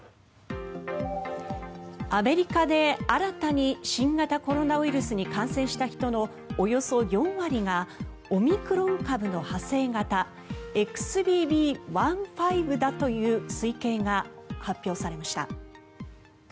アメリカで新たに新型コロナウイルスに感染した人のおよそ４割がオミクロン株の派生型ＸＢＢ．１．５だという推計が発表されました。